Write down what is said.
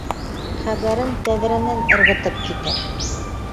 Хәбәрен тәҙрәнән ырғытып китә.